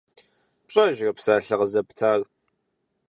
ПщӀэжрэ псалъэ къызэптар?